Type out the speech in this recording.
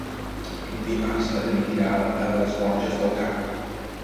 Dimarts na Tanit irà a les Borges del Camp.